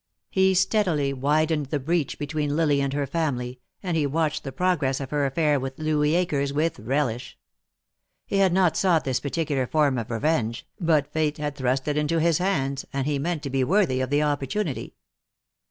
He steadily widened the breach between Lily and her family, and he watched the progress of her affair with Louis Akers with relish. He had not sought this particular form of revenge, but Fate had thrust it into his hands, and he meant to be worthy of the opportunity.